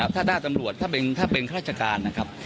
ถ้าด้านตำรวจถ้าเป็นข้าราชการนะครับ